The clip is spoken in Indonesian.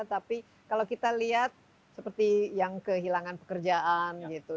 tapi kalau kita lihat seperti yang kehilangan pekerjaan gitu